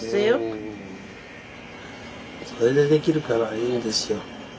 それでできるからいいんですよ。